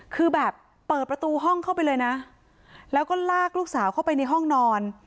คือแบบเปิดประตูห้องเข้าไปเลยนะแล้วก็ลากลูกสาวเข้าไปในห้องนอน